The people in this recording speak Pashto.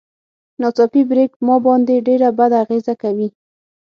ناڅاپي بريک ما باندې ډېره بده اغېزه کوي.